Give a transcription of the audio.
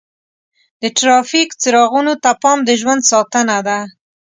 د ټرافیک څراغونو ته پام د ژوند ساتنه ده.